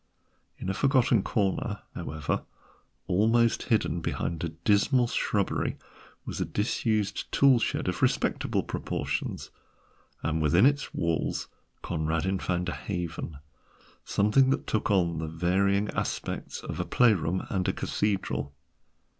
In a forgotten corner, however, almost hidden behind a dismal shrubbery, was a disused tool shed of respectable proportions, and within its walls Conradin found a haven, something that took on the varying aspects of a playroom and a cathedral.